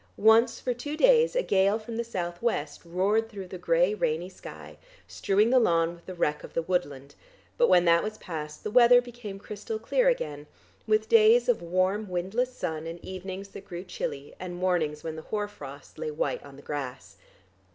Once for two days a gale from the south west roared through the grey rainy sky, strewing the lawn with the wreck of the woodland, but when that was past the weather became crystal clear again, with days of warm windless sun, and evenings that grew chilly and mornings when the hoar frost lay white on the grass.